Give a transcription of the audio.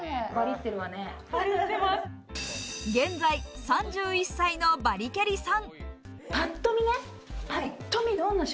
現在３１歳のバリキャリさん。